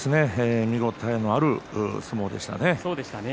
見応えのある相撲でしたね。